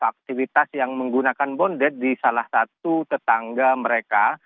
dan ada faktivitas yang menggunakan bondet di salah satu tetangga mereka